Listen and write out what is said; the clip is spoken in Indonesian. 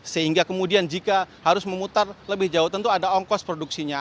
sehingga kemudian jika harus memutar lebih jauh tentu ada ongkos produksinya